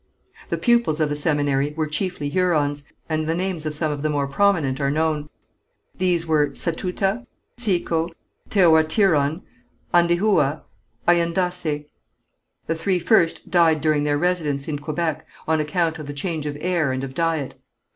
The pupils of the seminary were chiefly Hurons, and the names of some of the more prominent are known. These were Satouta, Tsiko, Teouatirhon, Andehoua, Aïandacé. The three first died during their residence in Quebec, on account of the change of air and of diet.